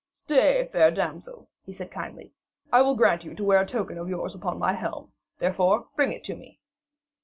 'Stay, fair damsel,' he said kindly, 'I will grant you to wear a token of yours upon my helm. Therefore, bring it me.'